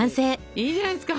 いいじゃないですか。